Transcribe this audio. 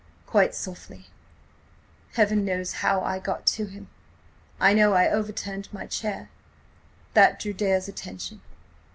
quite softly. Heaven knows how I got to him! I know I overturned my chair. That drew Dare's attention.